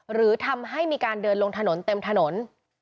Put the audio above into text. หรือทำให้มีการเดินลงถนนเต็มถนน